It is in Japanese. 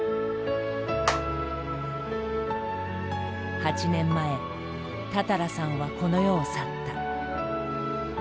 ８年前多々良さんはこの世を去った。